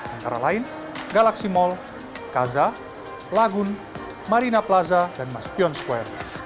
antara lain galaxy mall kaza lagun marina plaza dan maspion square